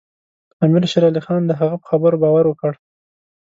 امیر شېر علي خان د هغه په خبرو باور وکړ.